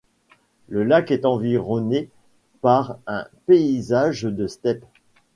Le lac est environné par un paysage de steppe.